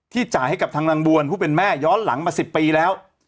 จ่ายให้กับทางนางบวนผู้เป็นแม่ย้อนหลังมา๑๐ปีแล้ว